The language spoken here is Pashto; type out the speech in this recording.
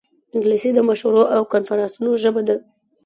انګلیسي د مشورو او کنفرانسونو ژبه ده